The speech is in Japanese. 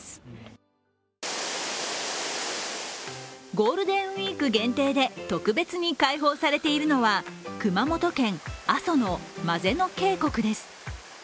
ゴールデンウイーク限定で特別に解放されているのは熊本県阿蘇のマゼノ渓谷です。